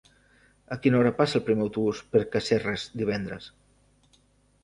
A quina hora passa el primer autobús per Casserres divendres?